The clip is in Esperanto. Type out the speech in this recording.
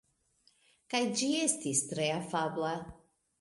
Kaj ĝi estis tre afabla.